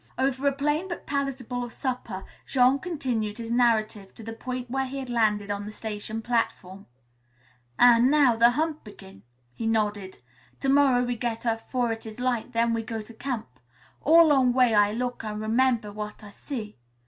Over a plain but palatable supper Jean continued his narrative to the point where he had landed on the station platform. "An' now the hunt begin," he nodded. "To morrow we get up 'fore it is light, then we go to camp. All 'long way I look an' remember w'at I see.